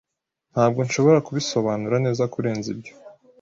Ntabwo nshobora kubisobanura neza kurenza ibyo.